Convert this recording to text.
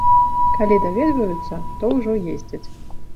Калі даведваюцца, то ўжо ездзяць.